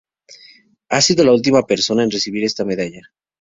Ha sido la última persona en recibir esta medalla.